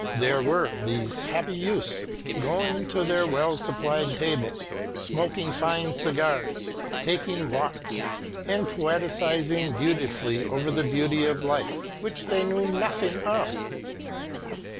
There were these happy youths going to their well supplied tables, smoking fine cigars, taking walks, and poetising beautifully over the beauty of life which they knew nothing of.